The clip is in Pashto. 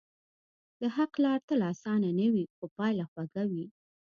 د حق لار تل آسانه نه وي، خو پایله خوږه وي.